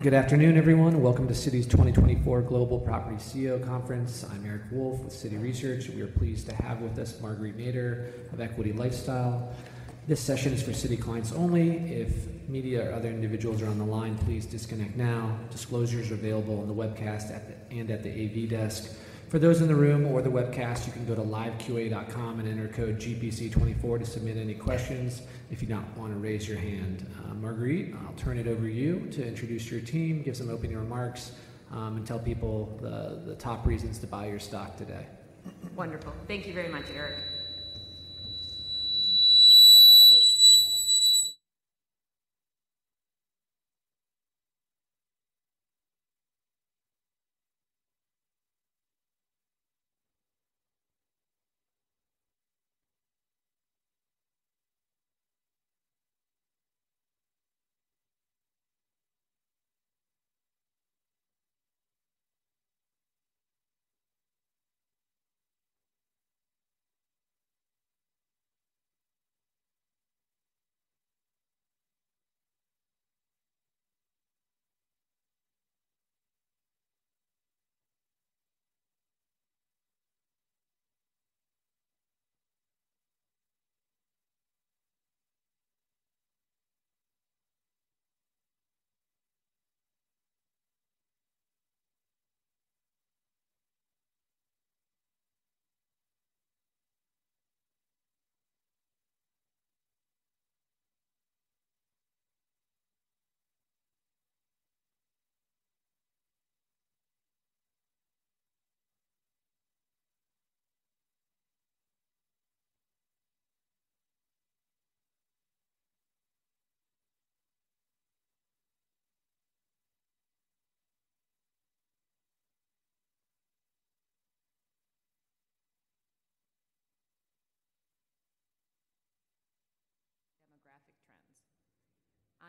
Good afternoon, everyone. Welcome to Citi's 2024 Global Property CEO Conference. I'm Eric Wolfe with Citi Research. We are pleased to have with us Marguerite Nader of Equity LifeStyle. This session is for Citi clients only. If media or other individuals are on the line, please disconnect now. Disclosures are available on the webcast and at the AV desk. For those in the room or the webcast, you can go to liveqa.com and enter code GPC24 to submit any questions if you don't want to raise your hand. Marguerite, I'll turn it over to you to introduce your team, give some opening remarks, and tell people the top reasons to buy your stock today. Wonderful. Thank you very much, Eric.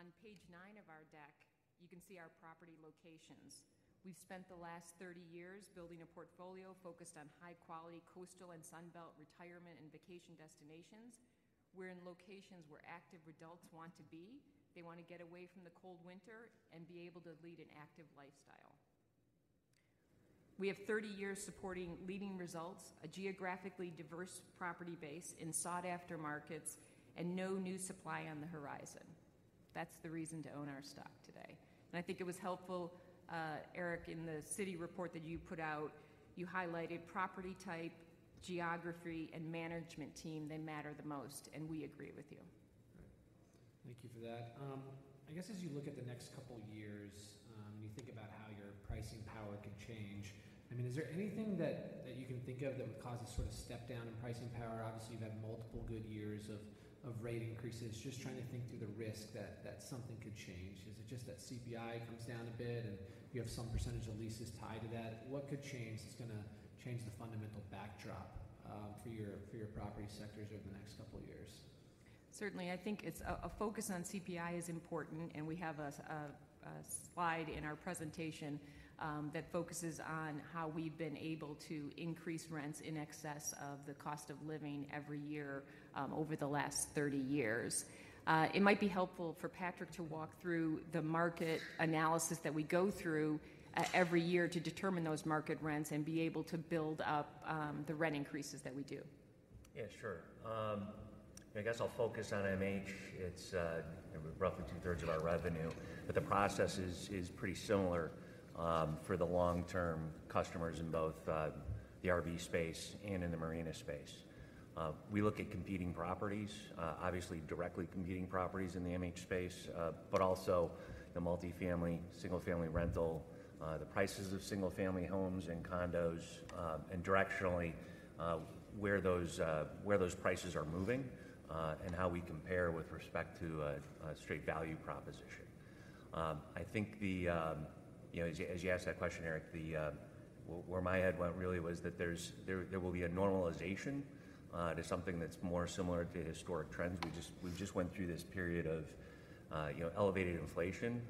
Demographic trends. On page nine of our deck, you can see our property locations. We've spent the last 30 years building a portfolio focused on high-quality coastal and Sunbelt retirement and vacation destinations. We're in locations where active adults want to be. They want to get away from the cold winter and be able to lead an active lifestyle. We have 30 years supporting leading results, a geographically diverse property base in sought-after markets, and no new supply on the horizon. That's the reason to own our stock today. And I think it was helpful, Eric, in the Citi report that you put out. You highlighted property type, geography, and management team. They matter the most, and we agree with you. Thank you for that. I guess as you look at the next couple of years and you think about how your pricing power could change, I mean, is there anything that you can think of that would cause a sort of step down in pricing power? Obviously, you've had multiple good years of rate increases. Just trying to think through the risk that something could change. Is it just that CPI comes down a bit and you have some percentage of leases tied to that? What could change that's going to change the fundamental backdrop for your property sectors over the next couple of years? Certainly. I think a focus on CPI is important, and we have a slide in our presentation that focuses on how we've been able to increase rents in excess of the cost of living every year over the last 30 years. It might be helpful for Patrick to walk through the market analysis that we go through every year to determine those market rents and be able to build up the rent increases that we do. Yeah, sure. I guess I'll focus on MH. It's roughly two-thirds of our revenue, but the process is pretty similar for the long-term customers in both the RV space and in the marina space. We look at competing properties, obviously directly competing properties in the MH space, but also the multifamily, single-family rental, the prices of single-family homes and condos, and directionally where those prices are moving and how we compare with respect to a straight value proposition. I think, as you asked that question, Eric, where my head went really was that there will be a normalization to something that's more similar to historic trends. We've just went through this period of elevated inflation.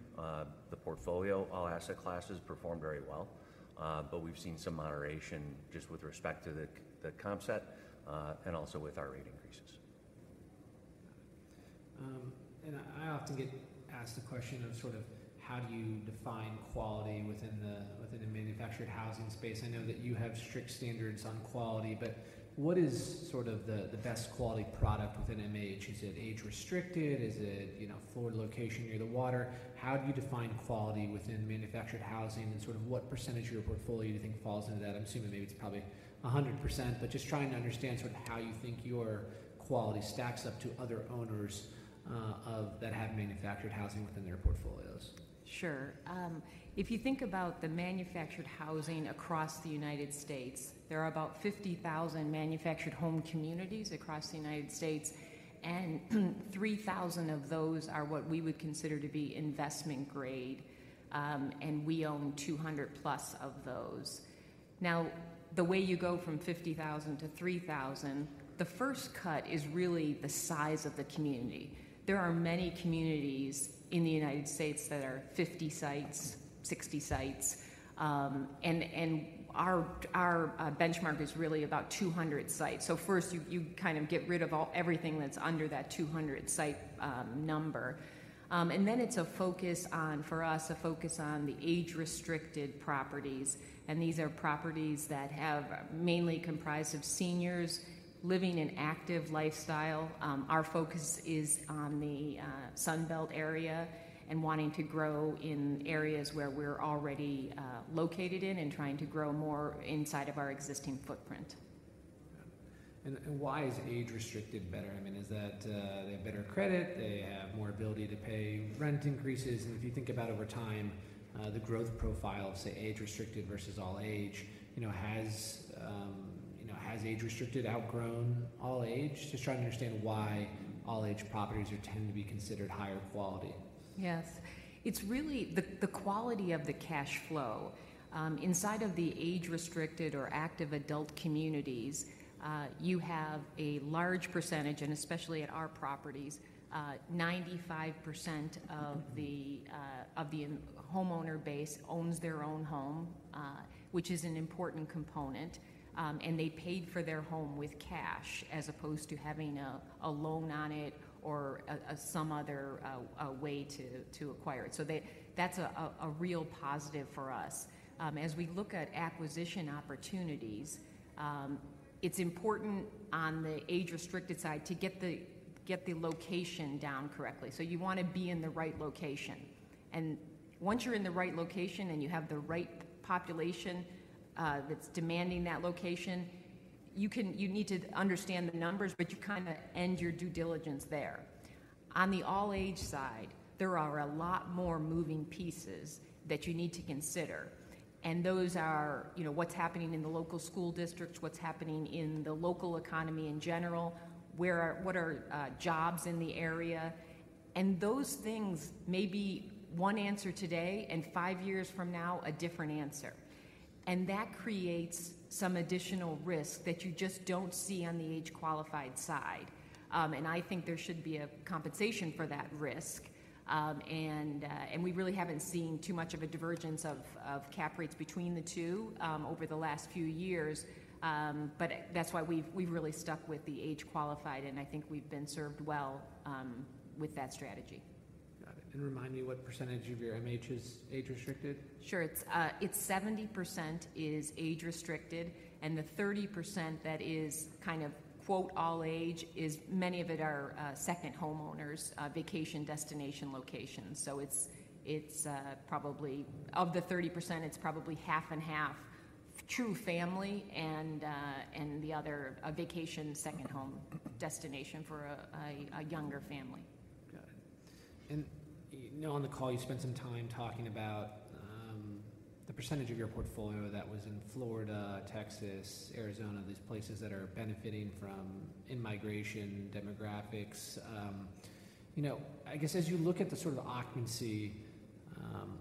The portfolio, all asset classes, performed very well, but we've seen some moderation just with respect to the comp set and also with our rate increases. Got it. And I often get asked a question of sort of how do you define quality within the manufactured housing space. I know that you have strict standards on quality, but what is sort of the best quality product within MH? Is it age-restricted? Is it floor location near the water? How do you define quality within manufactured housing, and sort of what percentage of your portfolio do you think falls into that? I'm assuming maybe it's probably 100%, but just trying to understand sort of how you think your quality stacks up to other owners that have manufactured housing within their portfolios. Sure. If you think about the manufactured housing across the United States, there are about 50,000 manufactured home communities across the United States, and 3,000 of those are what we would consider to be investment-grade, and we own 200+ of those. Now, the way you go from 50,000 to 3,000, the first cut is really the size of the community. There are many communities in the United States that are 50 sites, 60 sites, and our benchmark is really about 200 sites. So first, you kind of get rid of everything that's under that 200 site number. Then it's a focus on, for us, a focus on the age-restricted properties, and these are properties that mainly comprise of seniors living an active lifestyle. Our focus is on the Sunbelt area and wanting to grow in areas where we're already located in and trying to grow more inside of our existing footprint. Got it. And why is age-restricted better? I mean, is that they have better credit? They have more ability to pay rent increases? And if you think about over time, the growth profile of, say, age-restricted versus all-age, has age-restricted outgrown all-age? Just trying to understand why all-age properties tend to be considered higher quality. Yes. It's really the quality of the cash flow. Inside of the age-restricted or active adult communities, you have a large percentage, and especially at our properties, 95% of the homeowner base owns their own home, which is an important component, and they paid for their home with cash as opposed to having a loan on it or some other way to acquire it. So that's a real positive for us. As we look at acquisition opportunities, it's important on the age-restricted side to get the location down correctly. So you want to be in the right location. And once you're in the right location and you have the right population that's demanding that location, you need to understand the numbers, but you kind of end your due diligence there. On the all-age side, there are a lot more moving pieces that you need to consider, and those are what's happening in the local school districts, what's happening in the local economy in general, what are jobs in the area. Those things may be one answer today and five years from now a different answer. That creates some additional risk that you just don't see on the age-qualified side. I think there should be a compensation for that risk, and we really haven't seen too much of a divergence of cap rates between the two over the last few years. That's why we've really stuck with the age-qualified, and I think we've been served well with that strategy. Got it. Remind me what percentage of your MH is age-restricted? Sure. It's 70% is age-restricted, and the 30% that is kind of "all age" is many of it are second homeowners, vacation destination locations. So of the 30%, it's probably half and half true family and the other a vacation second home destination for a younger family. Got it. Now on the call, you spent some time talking about the percentage of your portfolio that was in Florida, Texas, Arizona, these places that are benefiting from immigration demographics. I guess as you look at the sort of occupancy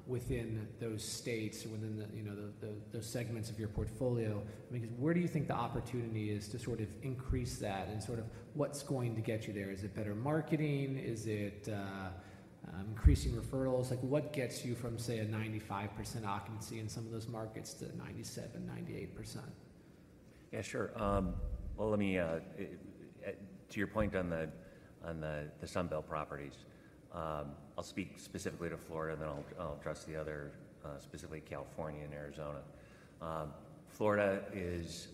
within those states or within those segments of your portfolio, I mean, where do you think the opportunity is to sort of increase that, and sort of what's going to get you there? Is it better marketing? Is it increasing referrals? What gets you from, say, a 95% occupancy in some of those markets to 97%-98%? Yeah, sure. Well, to your point on the Sunbelt properties, I'll speak specifically to Florida, and then I'll address the other, specifically California and Arizona. Florida is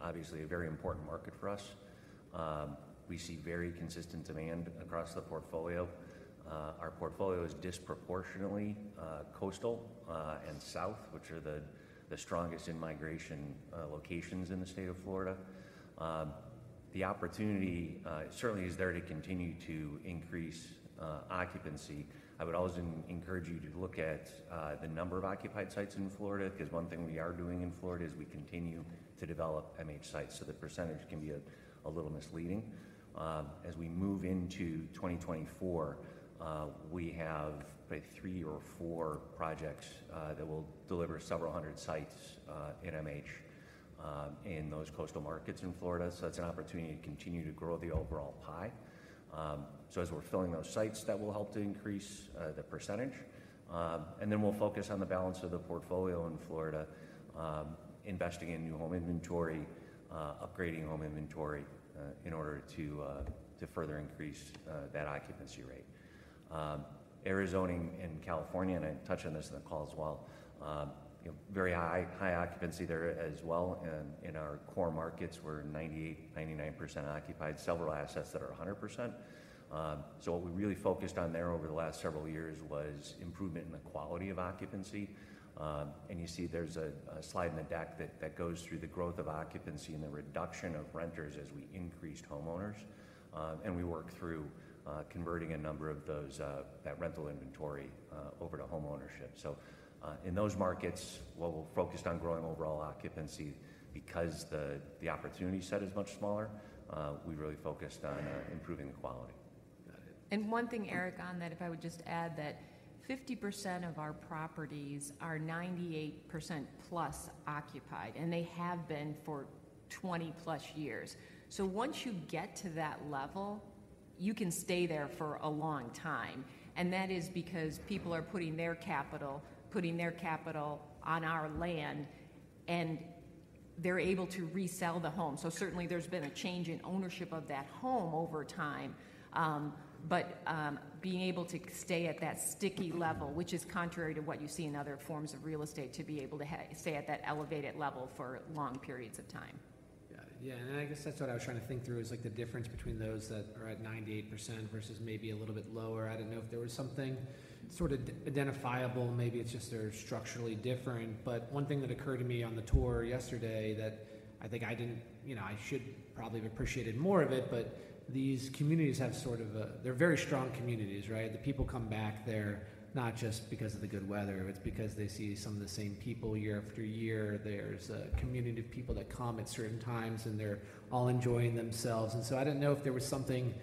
obviously a very important market for us. We see very consistent demand across the portfolio. Our portfolio is disproportionately coastal and south, which are the strongest immigration locations in the state of Florida. The opportunity certainly is there to continue to increase occupancy. I would always encourage you to look at the number of occupied sites in Florida because one thing we are doing in Florida is we continue to develop MH sites, so the percentage can be a little misleading. As we move into 2024, we have three or four projects that will deliver several hundred sites in MH in those coastal markets in Florida. So that's an opportunity to continue to grow the overall pie. So as we're filling those sites, that will help to increase the percentage. And then we'll focus on the balance of the portfolio in Florida, investing in new home inventory, upgrading home inventory in order to further increase that occupancy rate. Arizona and California - and I touched on this in the call as well - very high occupancy there as well. In our core markets, we're 98%-99% occupied, several assets that are 100%. So what we really focused on there over the last several years was improvement in the quality of occupancy. And you see there's a slide in the deck that goes through the growth of occupancy and the reduction of renters as we increased homeowners. And we work through converting a number of that rental inventory over to homeownership. In those markets, while we're focused on growing overall occupancy because the opportunity set is much smaller, we really focused on improving the quality. Got it. One thing, Eric, on that, if I would just add that 50% of our properties are 98%+ occupied, and they have been for 20+ years. So once you get to that level, you can stay there for a long time. And that is because people are putting their capital, putting their capital on our land, and they're able to resell the home. So certainly, there's been a change in ownership of that home over time, but being able to stay at that sticky level, which is contrary to what you see in other forms of real estate, to be able to stay at that elevated level for long periods of time. Got it. Yeah. And I guess that's what I was trying to think through, is the difference between those that are at 98% versus maybe a little bit lower. I didn't know if there was something sort of identifiable. Maybe it's just they're structurally different. But one thing that occurred to me on the tour yesterday that I think I should probably have appreciated more of it, but these communities have sort of a they're very strong communities, right? The people come back there not just because of the good weather. It's because they see some of the same people year after year. There's a community of people that come at certain times, and they're all enjoying themselves. And so I didn't know if there was something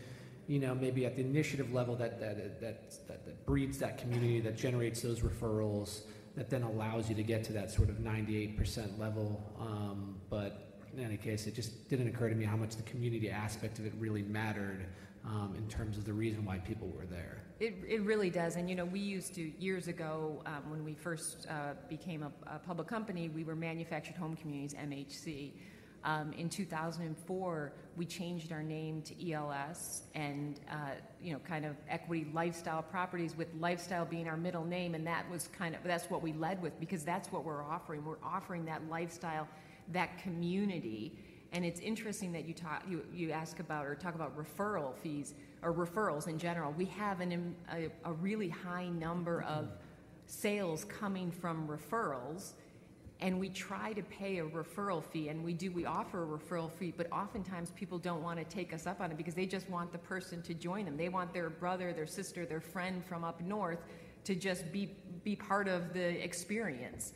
maybe at the initiative level that breeds that community, that generates those referrals, that then allows you to get to that sort of 98% level. But in any case, it just didn't occur to me how much the community aspect of it really mattered in terms of the reason why people were there. It really does. And we used to, years ago, when we first became a public company, we were Manufactured Home Communities, MHC. In 2004, we changed our name to ELS, and kind of Equity LifeStyle Properties with lifestyle being our middle name, and that was kind of that's what we led with because that's what we're offering. We're offering that lifestyle, that community. And it's interesting that you ask about or talk about referral fees or referrals in general. We have a really high number of sales coming from referrals, and we try to pay a referral fee, and we do. We offer a referral fee, but oftentimes, people don't want to take us up on it because they just want the person to join them. They want their brother, their sister, their friend from up north to just be part of the experience.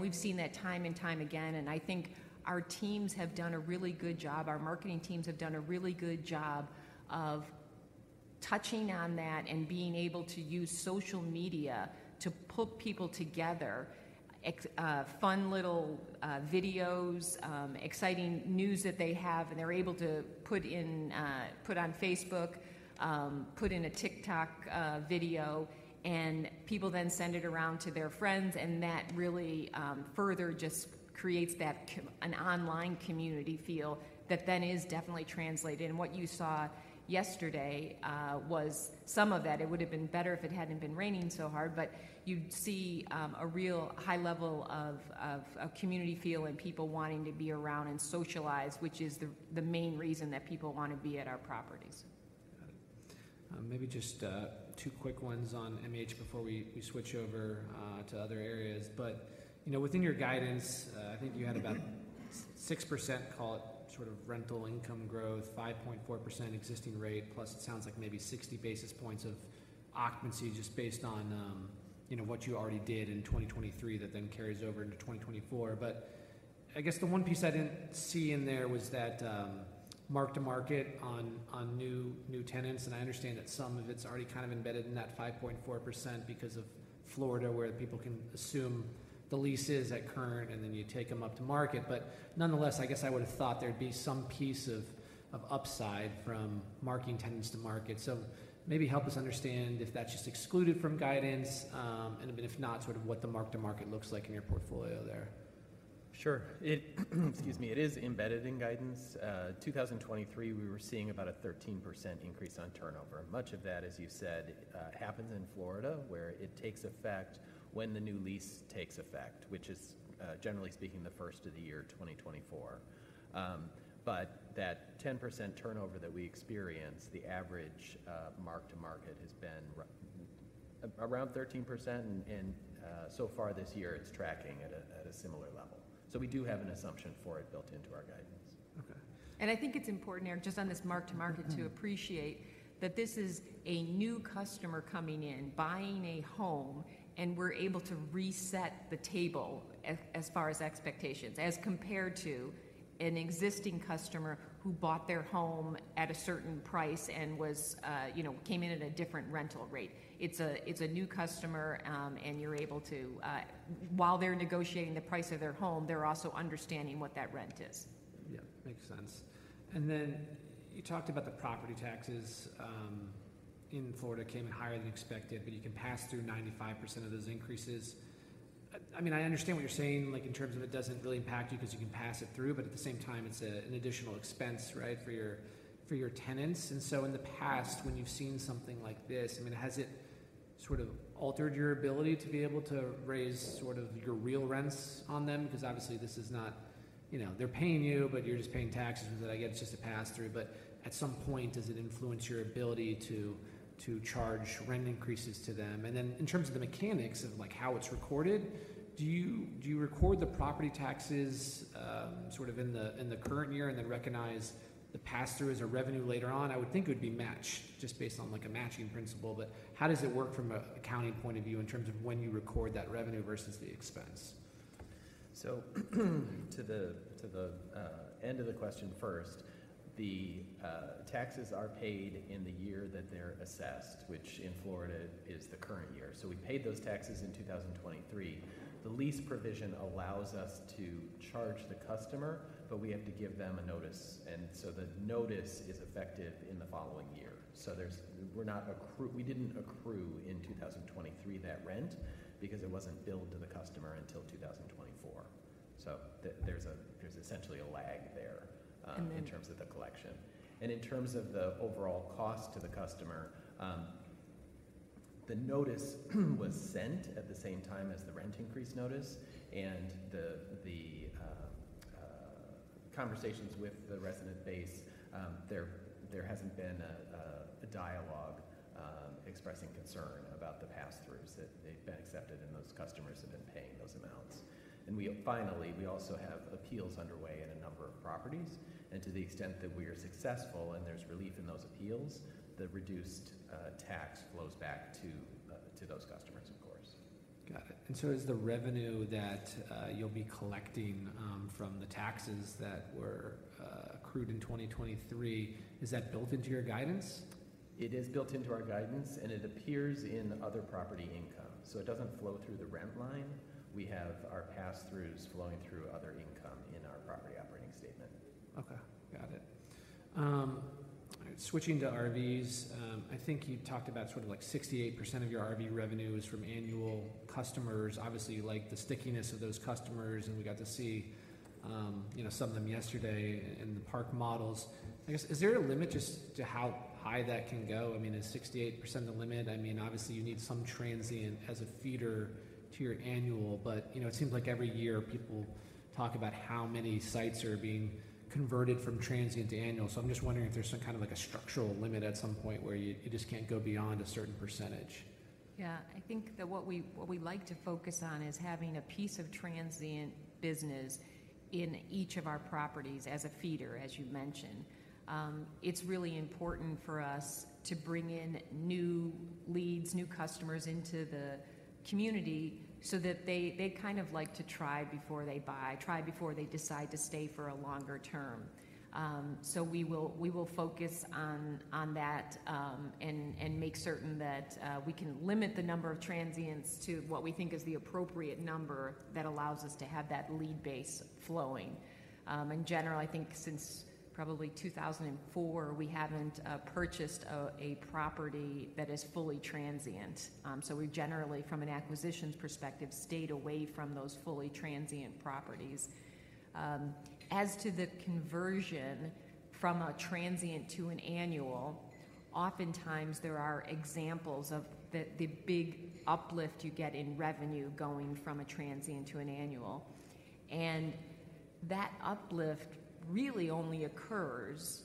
We've seen that time and time again. I think our teams have done a really good job. Our marketing teams have done a really good job of touching on that and being able to use social media to put people together, fun little videos, exciting news that they have, and they're able to put on Facebook, put in a TikTok video, and people then send it around to their friends. That really further just creates an online community feel that then is definitely translated. What you saw yesterday was some of that. It would have been better if it hadn't been raining so hard, but you'd see a real high level of community feel and people wanting to be around and socialize, which is the main reason that people want to be at our properties. Got it. Maybe just two quick ones on MH before we switch over to other areas. But within your guidance, I think you had about 6%, call it sort of rental income growth, 5.4% existing rate, plus it sounds like maybe 60 basis points of occupancy just based on what you already did in 2023 that then carries over into 2024. But I guess the one piece I didn't see in there was that mark-to-market on new tenants. And I understand that some of it's already kind of embedded in that 5.4% because of Florida, where people can assume the lease is at current, and then you take them up to market. But nonetheless, I guess I would have thought there'd be some piece of upside from marking tenants to market. So maybe help us understand if that's just excluded from guidance, and if not, sort of what the mark-to-market looks like in your portfolio there. Sure. Excuse me. It is embedded in guidance. 2023, we were seeing about a 13% increase on turnover. Much of that, as you said, happens in Florida, where it takes effect when the new lease takes effect, which is, generally speaking, the first of the year 2024. But that 10% turnover that we experience, the average mark-to-market has been around 13%, and so far this year, it's tracking at a similar level. So we do have an assumption for it built into our guidance. Okay. I think it's important, Eric, just on this mark-to-market to appreciate that this is a new customer coming in, buying a home, and we're able to reset the table as far as expectations as compared to an existing customer who bought their home at a certain price and came in at a different rental rate. It's a new customer, and you're able to while they're negotiating the price of their home, they're also understanding what that rent is. Yeah. Makes sense. And then you talked about the property taxes in Florida came in higher than expected, but you can pass through 95% of those increases. I mean, I understand what you're saying in terms of it doesn't really impact you because you can pass it through, but at the same time, it's an additional expense, right, for your tenants. And so in the past, when you've seen something like this, I mean, has it sort of altered your ability to be able to raise sort of your real rents on them? Because obviously, this is not they're paying you, but you're just paying taxes. I get it's just a pass-through. But at some point, does it influence your ability to charge rent increases to them? And then in terms of the mechanics of how it's recorded, do you record the property taxes sort of in the current year and then recognize the pass-through as a revenue later on? I would think it would be matched just based on a matching principle. But how does it work from an accounting point of view in terms of when you record that revenue versus the expense? So to the end of the question first, the taxes are paid in the year that they're assessed, which in Florida is the current year. So we paid those taxes in 2023. The lease provision allows us to charge the customer, but we have to give them a notice. And so the notice is effective in the following year. So we didn't accrue in 2023 that rent because it wasn't billed to the customer until 2024. So there's essentially a lag there in terms of the collection. And in terms of the overall cost to the customer, the notice was sent at the same time as the rent increase notice. And the conversations with the resident base, there hasn't been a dialogue expressing concern about the pass-throughs. They've been accepted, and those customers have been paying those amounts. Finally, we also have appeals underway in a number of properties. To the extent that we are successful and there's relief in those appeals, the reduced tax flows back to those customers, of course. Got it. And so is the revenue that you'll be collecting from the taxes that were accrued in 2023, is that built into your guidance? It is built into our guidance, and it appears in other property income. So it doesn't flow through the rent line. We have our pass-throughs flowing through other income in our property operating statement. Okay. Got it. All right. Switching to RVs, I think you talked about sort of 68% of your RV revenue is from annual customers. Obviously, you like the stickiness of those customers, and we got to see some of them yesterday in the park models. I guess, is there a limit just to how high that can go? I mean, is 68% the limit? I mean, obviously, you need some transient as a feeder to your annual, but it seems like every year, people talk about how many sites are being converted from transient to annual. So I'm just wondering if there's some kind of a structural limit at some point where you just can't go beyond a certain percentage. Yeah. I think that what we like to focus on is having a piece of transient business in each of our properties as a feeder, as you mentioned. It's really important for us to bring in new leads, new customers into the community so that they kind of like to try before they buy, try before they decide to stay for a longer term. So we will focus on that and make certain that we can limit the number of transients to what we think is the appropriate number that allows us to have that lead base flowing. And generally, I think since probably 2004, we haven't purchased a property that is fully transient. So we've generally, from an acquisitions perspective, stayed away from those fully transient properties. As to the conversion from a transient to an annual, oftentimes, there are examples of the big uplift you get in revenue going from a transient to an annual. That uplift really only occurs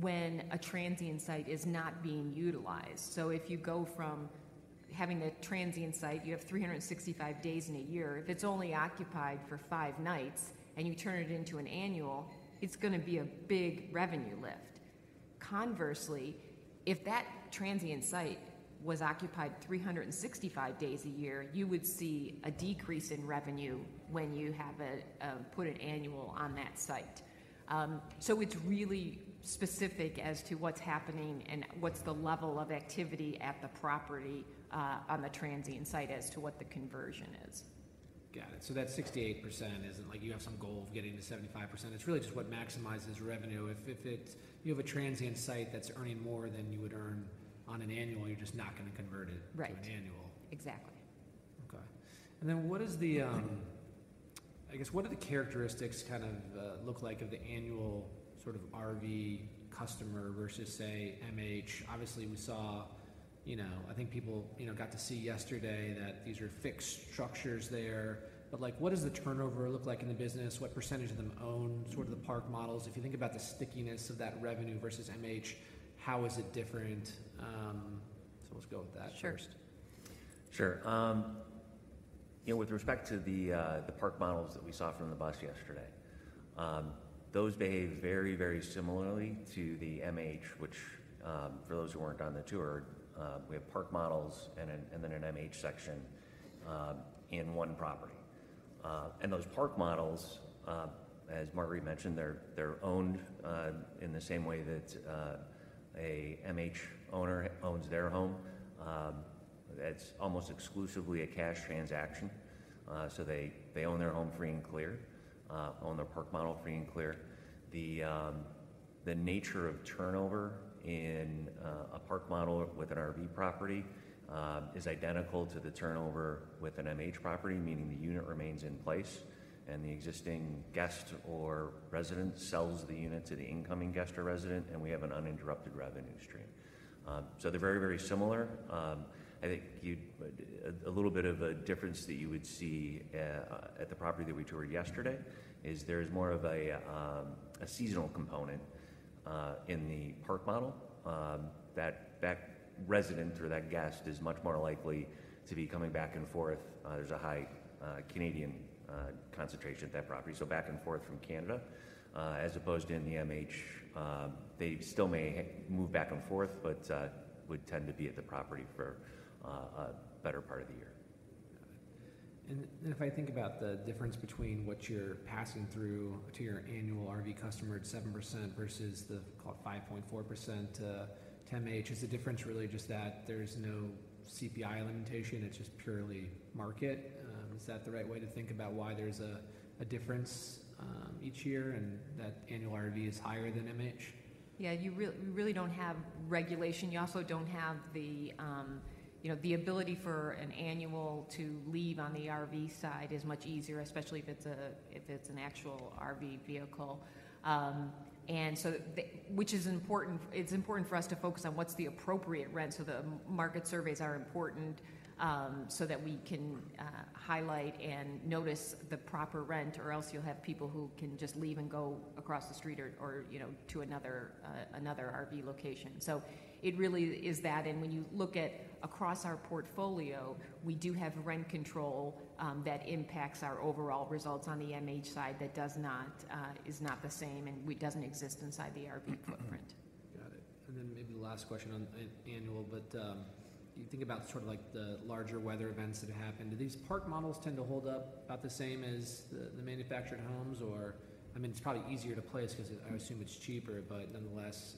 when a transient site is not being utilized. So if you go from having the transient site, you have 365 days in a year. If it's only occupied for five nights and you turn it into an annual, it's going to be a big revenue lift. Conversely, if that transient site was occupied 365 days a year, you would see a decrease in revenue when you put an annual on that site. So it's really specific as to what's happening and what's the level of activity at the property on the transient site as to what the conversion is. Got it. So that 68%, isn't it? You have some goal of getting to 75%. It's really just what maximizes revenue. If you have a transient site that's earning more than you would earn on an annual, you're just not going to convert it to an annual. Right. Exactly. Okay. And then what is the, I guess, what do the characteristics kind of look like of the annual sort of RV customer versus, say, MH? Obviously, we saw, I think, people got to see yesterday that these are fixed structures there. But what does the turnover look like in the business? What percentage of them own sort of the park models? If you think about the stickiness of that revenue versus MH, how is it different? So let's go with that first. Sure. Sure. With respect to the park models that we saw from the bus yesterday, those behave very, very similarly to the MH, which for those who weren't on the tour, we have park models and then an MH section in one property. And those park models, as Marguerite mentioned, they're owned in the same way that an MH owner owns their home. It's almost exclusively a cash transaction. So they own their home free and clear, own their park model free and clear. The nature of turnover in a park model with an RV property is identical to the turnover with an MH property, meaning the unit remains in place, and the existing guest or resident sells the unit to the incoming guest or resident, and we have an uninterrupted revenue stream. So they're very, very similar. I think a little bit of a difference that you would see at the property that we toured yesterday is there's more of a seasonal component in the park model. That resident or that guest is much more likely to be coming back and forth. There's a high Canadian concentration at that property, so back and forth from Canada as opposed to in the MH. They still may move back and forth but would tend to be at the property for a better part of the year. Got it. And then if I think about the difference between what you're passing through to your annual RV customer, it's 7% versus the, call it, 5.4% to MH. Is the difference really just that there's no CPI limitation? It's just purely market? Is that the right way to think about why there's a difference each year and that annual RV is higher than MH? Yeah. You really don't have regulation. You also don't have the ability for an annual to leave on the RV side is much easier, especially if it's an actual RV vehicle, which is important. It's important for us to focus on what's the appropriate rent. So the market surveys are important so that we can highlight and notice the proper rent, or else you'll have people who can just leave and go across the street or to another RV location. So it really is that. And when you look at across our portfolio, we do have rent control that impacts our overall results on the MH side that is not the same and doesn't exist inside the RV footprint. Got it. And then maybe the last question on annual, but you think about sort of the larger weather events that have happened, do these park models tend to hold up about the same as the manufactured homes? Or I mean, it's probably easier to place because I assume it's cheaper, but nonetheless,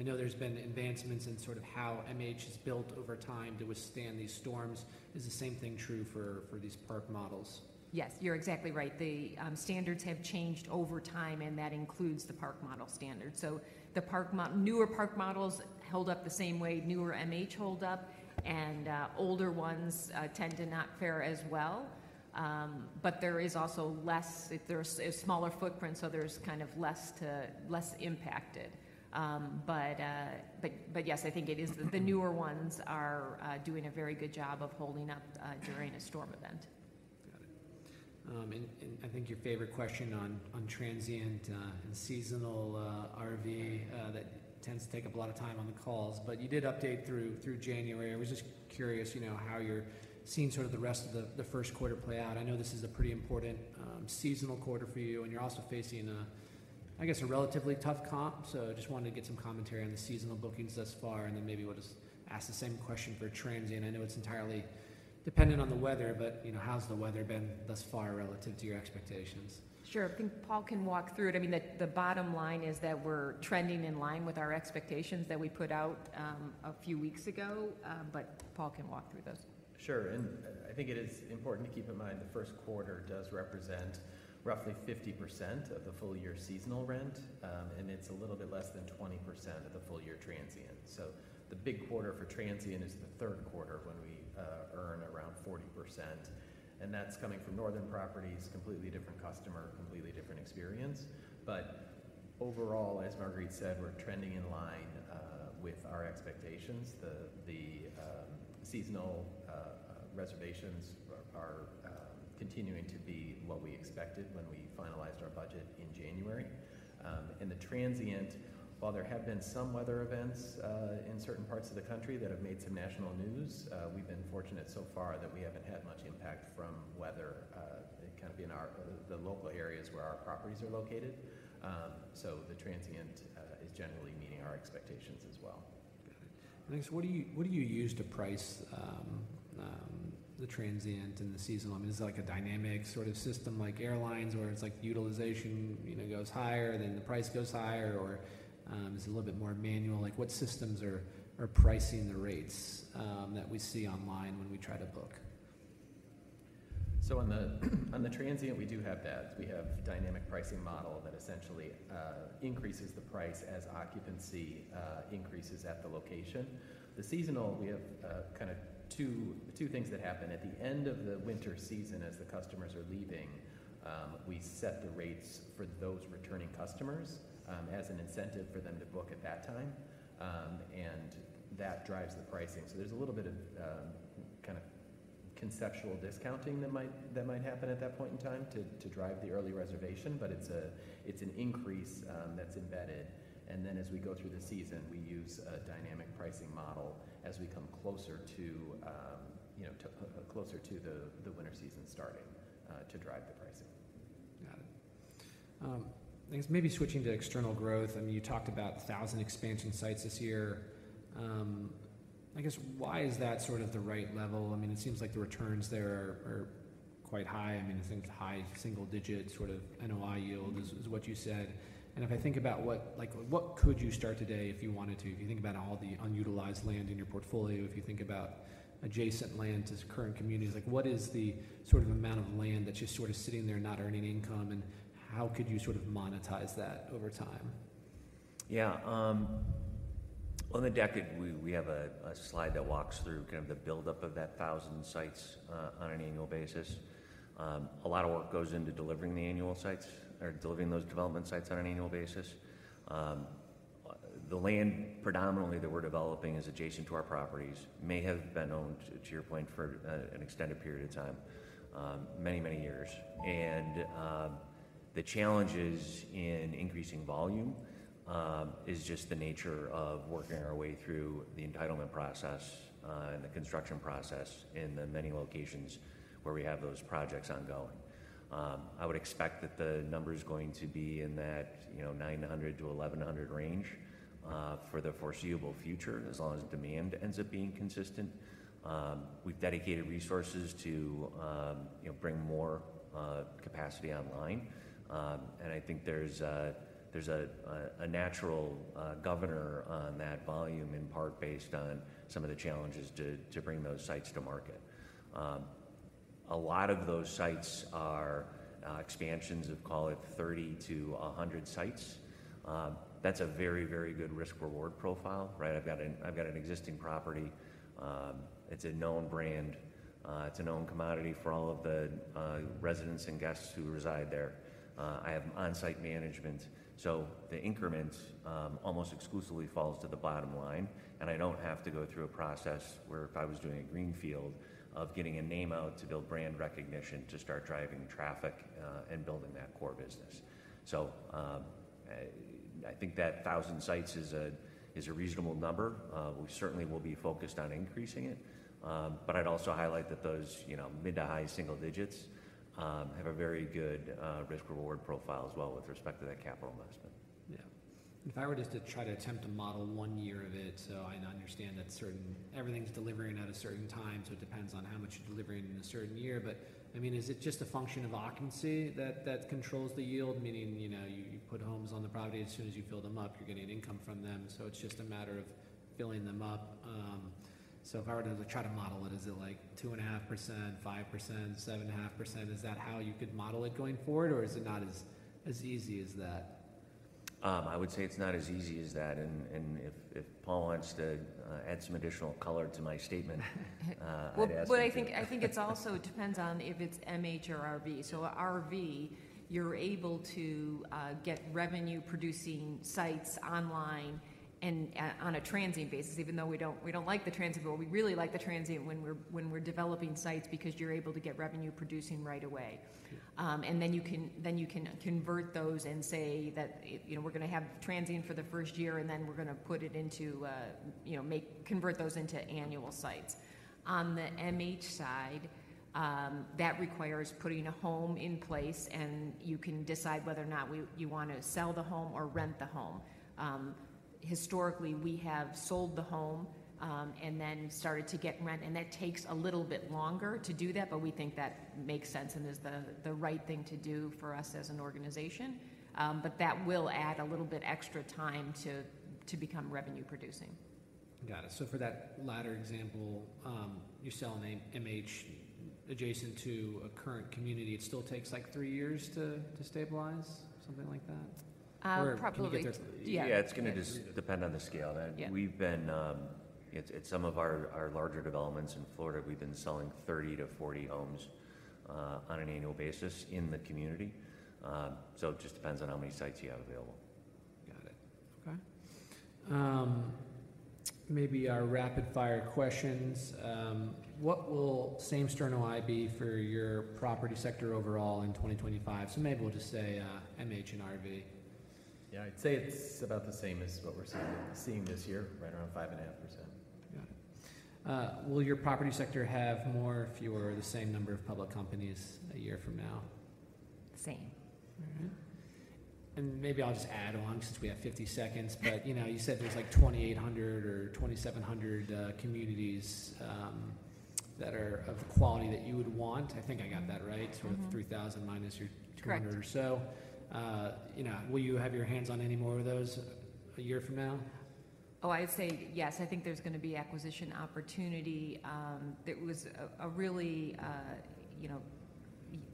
I know there's been advancements in sort of how MH is built over time to withstand these storms. Is the same thing true for these park models? Yes. You're exactly right. The standards have changed over time, and that includes the park model standard. So newer park models hold up the same way newer MH hold up, and older ones tend to not fare as well. But there is also less if there's a smaller footprint, so there's kind of less impacted. But yes, I think it is that the newer ones are doing a very good job of holding up during a storm event. Got it. And I think your favorite question on transient and seasonal RV, that tends to take up a lot of time on the calls, but you did update through January. I was just curious how you're seeing sort of the rest of the Q1 play out. I know this is a pretty important seasonal quarter for you, and you're also facing, I guess, a relatively tough comp. So I just wanted to get some commentary on the seasonal bookings thus far and then maybe we'll just ask the same question for transient. I know it's entirely dependent on the weather, but how's the weather been thus far relative to your expectations? Sure. I think Paul can walk through it. I mean, the bottom line is that we're trending in line with our expectations that we put out a few weeks ago, but Paul can walk through those. Sure. And I think it is important to keep in mind the Q1 does represent roughly 50% of the full-year seasonal rent, and it's a little bit less than 20% of the full-year transient. So the big quarter for transient is the Q3 when we earn around 40%. And that's coming from northern properties, completely different customer, completely different experience. But overall, as Marguerite said, we're trending in line with our expectations. The seasonal reservations are continuing to be what we expected when we finalized our budget in January. And the transient, while there have been some weather events in certain parts of the country that have made some national news, we've been fortunate so far that we haven't had much impact from weather kind of in the local areas where our properties are located. So the transient is generally meeting our expectations as well. Got it. I guess, what do you use to price the transient and the seasonal? I mean, is it a dynamic sort of system like airlines where it's like utilization goes higher, then the price goes higher, or is it a little bit more manual? What systems are pricing the rates that we see online when we try to book? So on the transient, we do have that. We have a dynamic pricing model that essentially increases the price as occupancy increases at the location. The seasonal, we have kind of two things that happen. At the end of the winter season, as the customers are leaving, we set the rates for those returning customers as an incentive for them to book at that time, and that drives the pricing. So there's a little bit of kind of conceptual discounting that might happen at that point in time to drive the early reservation, but it's an increase that's embedded. And then as we go through the season, we use a dynamic pricing model as we come closer to the winter season starting to drive the pricing. Got it. I guess maybe switching to external growth. I mean, you talked about 1,000 expansion sites this year. I guess, why is that sort of the right level? I mean, it seems like the returns there are quite high. I mean, I think high single-digit sort of NOI yield is what you said. And if I think about what could you start today if you wanted to? If you think about all the unutilized land in your portfolio, if you think about adjacent land to current communities, what is the sort of amount of land that's just sort of sitting there not earning income, and how could you sort of monetize that over time? Yeah. On the deck, we have a slide that walks through kind of the buildup of that 1,000 sites on an annual basis. A lot of work goes into delivering the annual sites or delivering those development sites on an annual basis. The land predominantly that we're developing is adjacent to our properties, may have been owned, to your point, for an extended period of time, many, many years. The challenges in increasing volume is just the nature of working our way through the entitlement process and the construction process in the many locations where we have those projects ongoing. I would expect that the number is going to be in that 900-1,100 range for the foreseeable future as long as demand ends up being consistent. We've dedicated resources to bring more capacity online, and I think there's a natural governor on that volume in part based on some of the challenges to bring those sites to market. A lot of those sites are expansions of, call it, 3-100 sites. That's a very, very good risk-reward profile, right? I've got an existing property. It's a known brand. It's a known commodity for all of the residents and guests who reside there. I have on-site management. So the increment almost exclusively falls to the bottom line, and I don't have to go through a process where if I was doing a greenfield of getting a name out to build brand recognition to start driving traffic and building that core business. So I think that 1,000 sites is a reasonable number. We certainly will be focused on increasing it. I'd also highlight that those mid to high single digits have a very good risk-reward profile as well with respect to that capital investment. Yeah. And if I were just to try to attempt to model one year of it, so I understand that everything's delivering at a certain time, so it depends on how much you're delivering in a certain year. But I mean, is it just a function of occupancy that controls the yield, meaning you put homes on the property as soon as you fill them up, you're getting income from them? So it's just a matter of filling them up. So if I were to try to model it, is it like 2.5%, 5%, 7.5%? Is that how you could model it going forward, or is it not as easy as that? I would say it's not as easy as that. If Paul wants to add some additional color to my statement, I'd ask him. Well, I think it also depends on if it's MH or RV. So RV, you're able to get revenue-producing sites online and on a transient basis, even though we don't like the transient. But we really like the transient when we're developing sites because you're able to get revenue-producing right away. And then you can convert those and say that we're going to have transient for the first year, and then we're going to convert those into annual sites. On the MH side, that requires putting a home in place, and you can decide whether or not you want to sell the home or rent the home. Historically, we have sold the home and then started to get rent, and that takes a little bit longer to do that, but we think that makes sense and is the right thing to do for us as an organization. But that will add a little bit extra time to become revenue-producing. Got it. So for that latter example, you sell an MH adjacent to a current community. It still takes like three years to stabilize, something like that? Probably. Yeah. It's going to depend on the scale. At some of our larger developments in Florida, we've been selling 30-40 homes on an annual basis in the community. So it just depends on how many sites you have available. Got it. Okay. Maybe our rapid-fire questions. What will same-store NOI be for your property sector overall in 2025? So maybe we'll just say MH and RV. Yeah. I'd say it's about the same as what we're seeing this year, right around 5.5%. Got it. Will your property sector have more, fewer, or the same number of public companies a year from now? Same. All right. And maybe I'll just add along since we have 50 seconds. But you said there's like 2,800 or 2,700 communities that are of the quality that you would want. I think I got that right, sort of 3,000 minus your 200 or so. Will you have your hands on any more of those a year from now? Oh, I would say yes. I think there's going to be acquisition opportunity. It was a really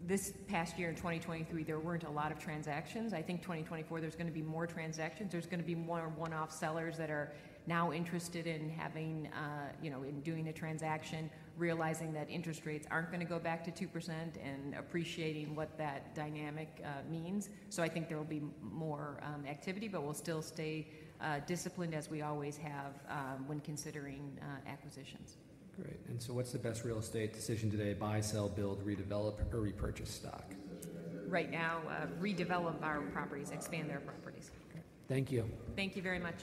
this past year in 2023, there weren't a lot of transactions. I think 2024, there's going to be more transactions. There's going to be more one-off sellers that are now interested in doing the transaction, realizing that interest rates aren't going to go back to 2%, and appreciating what that dynamic means. So I think there will be more activity, but we'll still stay disciplined as we always have when considering acquisitions. Great. And so what's the best real estate decision today: buy, sell, build, redevelop, or repurchase stock? Right now, redevelop our properties, expand their properties. Okay. Thank you. Thank you very much.